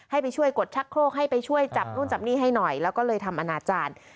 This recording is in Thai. ให้ไปช่วยกดชักโครกให้ไปช่วยจับนู่นจับนี่ให้หน่อยแล้วก็เลยทำอนาจารย์